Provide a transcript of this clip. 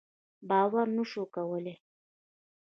باور نه شو کولای.